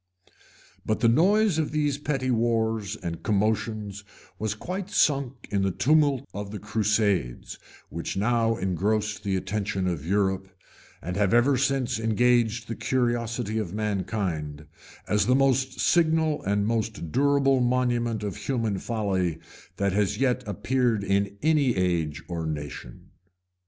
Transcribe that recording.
But the noise of these petty wars and commotions was quite sunk in the tumult of the crusades, which now engrossed the attention of Europe, and have ever since engaged the curiosity of mankind, as the most signal and most durable monument of human folly that has yet appeared in any age or nation.